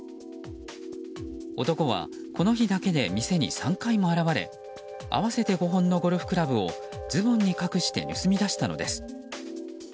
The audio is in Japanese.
男はこの日だけで店に３回も現れ合わせて５本のゴルフクラブをズボンに隠して盗み出したのです。